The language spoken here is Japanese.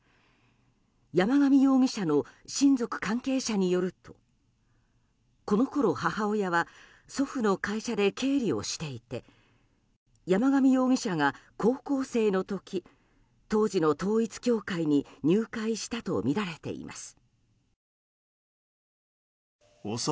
山上容疑者の親族関係者によるとこのころ母親は祖父の会社で経理をしていて山上容疑者が高校生の時当時の統一教会に入会したとみられています。